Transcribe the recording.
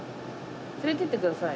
連れてって下さい。